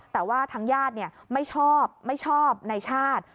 แต่ว่าทั้งย่าดเนี่ยไม่ชอบไม่ชอบนายชาติ